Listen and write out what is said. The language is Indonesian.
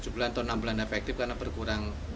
tujuh bulan atau enam bulan efektif karena berkurang